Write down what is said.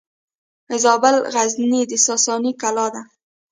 د زابل غزنیې د ساساني کلا ده